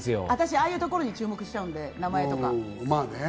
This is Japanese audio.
私、ああいうところに注目しちゃう、名前とか。